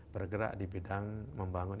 bergerak di bidang membangun